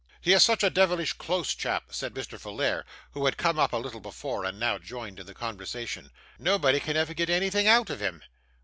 'He is such a devilish close chap,' said Mr. Folair, who had come up a little before, and now joined in the conversation. 'Nobody can ever get anything out of him.